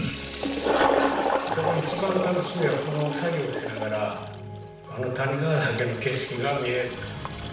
この一番楽しみはこの作業しながらあの谷川岳の景色が見えると。